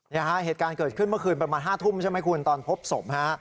เหตุการณ์เกิดขึ้นเมื่อคืนประมาณ๕ทุ่มใช่ไหมคุณตอนพบศพฮะ